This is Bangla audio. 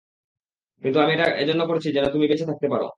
কিন্তু আমি এটা এজন্য করছি যেন তুমি বেঁচে থাকতে পারো।